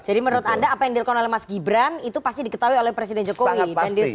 jadi menurut anda apa yang dilakukan oleh mas gibran itu pasti diketahui oleh presiden jokowi